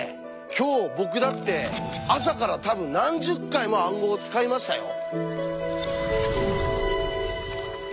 今日僕だって朝から多分何十回も暗号を使いましたよ！